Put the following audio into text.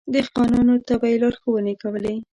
دهقانانو ته به يې لارښونې کولې.